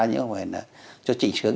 nhưng mà phải là cho trịnh sướng